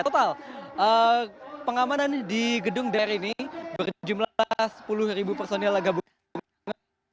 total pengamanan di gedung der ini berjumlah sepuluh personil agak berhentikan